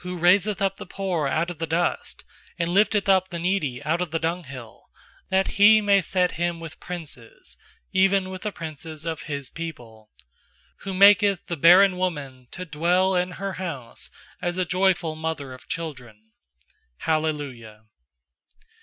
raiseth up the poor out of the dust, And lifteth up the needy out of the dunghill; 8That He may set him with princes, Even with the princes of His people. Who maketh the barren woman to dwell in her house As a joyful mother of children. Hallelujah.